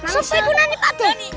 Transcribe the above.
siapa itu nani pak deh